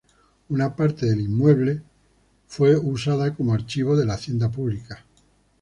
Una parte del inmueble fuese usada como archivo de la Hacienda Pública.